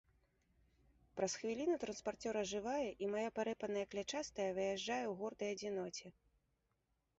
Праз хвіліну транспарцёр ажывае, і мая парэпаная клятчастая выязджае ў гордай адзіноце.